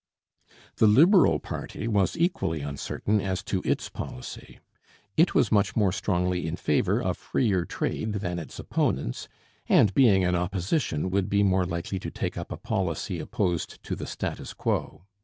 The Liberal party was equally uncertain as to its policy. It was much more strongly in favour of freer trade than its opponents, and being in opposition, would be more likely to take up a policy opposed to the status quo.